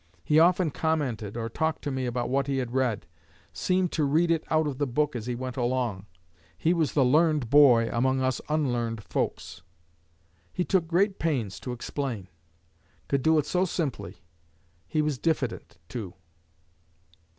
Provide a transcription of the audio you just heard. He often commented or talked to me about what he had read, seemed to read it out of the book as he went along. He was the learned boy among us unlearned folks. He took great pains to explain; could do it so simply. He was diffident, too."